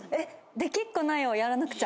『できっこないをやらなくちゃ』